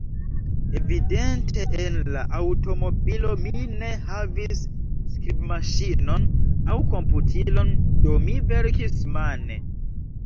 Evidente en la aŭtomobilo mi ne havis skribmaŝinon aŭ komputilon, do mi verkis mane.